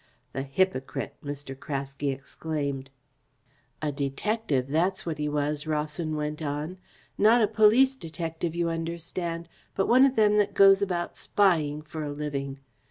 "The hypocrite!" Mr. Craske exclaimed. "A detective, that's what he was," Rawson went on. "Not a police detective, you understand, but one of them that goes about spying for a living.